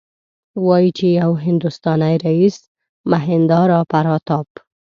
وايي چې یو هندوستانی رئیس مهیندراپراتاپ.